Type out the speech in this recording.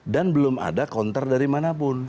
dan belum ada counter dari mana pun